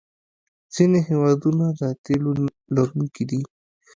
ځینې هېوادونه د تیلو لرونکي دي.